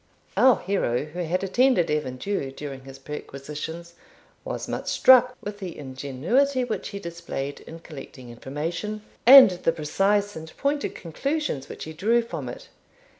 Our hero, who had attended Evan Dhu during his perquisitions, was much struck with the ingenuity which he displayed in collecting information, and the precise and pointed conclusions which he drew from it.